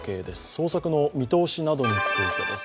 捜索の見通しなどについてです。